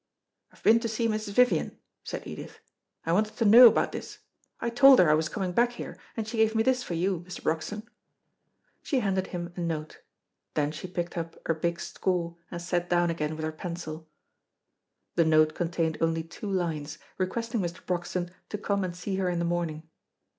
"I have been to see Mrs. Vivian," said Edith. "I wanted to know about this. I told her I was coming back here, and she gave me this for you, Mr. Broxton." She handed him a note. Then she picked up her big score, and sat down again with her pencil. The note contained only two lines, requesting Mr. Broxton to come and see her in the morning.